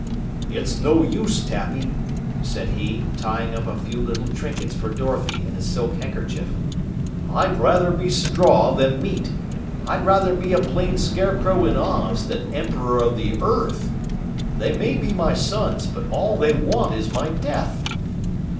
"It's no use, Tappy," said he, tying up a few little trinkets for Dorothy in a silk handkerchief, "I'd rather be straw than meat. I'd rather be a plain Scarecrow in Oz than Emperor of the Earth! They may be my sons, but all they want is my death.